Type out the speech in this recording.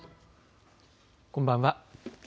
こんばんは。